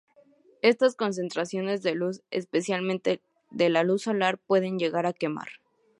Estas concentraciones de luz, especialmente de luz solar, pueden llegar a quemar.